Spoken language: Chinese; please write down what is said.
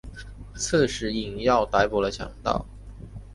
刺史尹耀逮捕了强盗。